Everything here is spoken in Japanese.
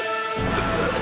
うっ！